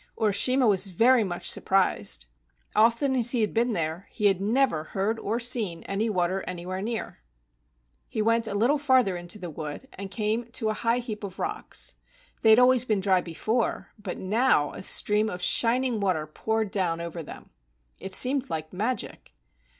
Urishima was very much surprised. Often as he had been there, he had never heard or seen any water any¬ where near. 150 A JAPANESE STORY He went a little farther into the wood and came to a high heap of rocks. They had always been dry before, but now a stream of shining water poured down over them. It seemed like magic.